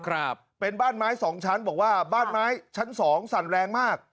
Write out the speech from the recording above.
ครับเป็นบ้านไม้สองชั้นบอกว่าบ้านไม้ชั้นสองสั่นแรงมาก